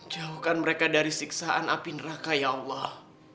jauhkan mereka dari siksaan api neraka ya allah